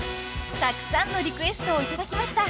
［たくさんのリクエストをいただきました］